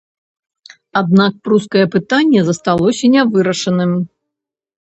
Аднак прускае пытанне засталося нявырашаным.